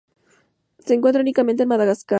Se encuentra únicamente en Madagascar.